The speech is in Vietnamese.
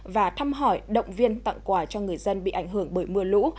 và thăm hỏi động viên tặng quà cho người dân bị ảnh hưởng bởi mưa lũ